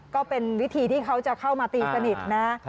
ก็เป็นวิธีที่เขาจะเข้ามาตีสนิทนะ